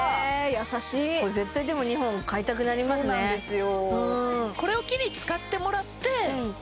優しいこれ絶対でも２本買いたくなりますねそうなんですよ